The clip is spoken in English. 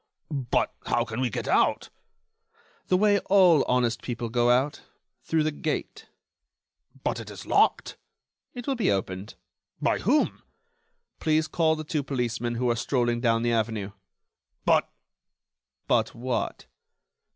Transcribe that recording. but how can we get out?" "The way all honest people go out: through the gate." "But it is locked." "It will be opened." "By whom?" "Please call the two policemen who are strolling down the avenue." "But——" "But what?"